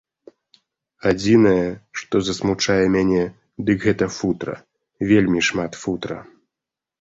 Адзінае, што засмучае мяне, дык гэта футра, вельмі шмат футра.